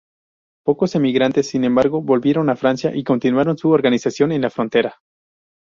Pocos emigrantes, sin embargo, volvieron a Francia, y continuaron su organización en la frontera.